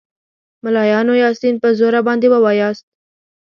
ملایانو یاسین په زوره باندې ووایاست.